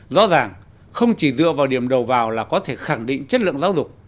rõ ràng không chỉ dựa vào điểm đầu vào là có thể khẳng định chất lượng giáo dục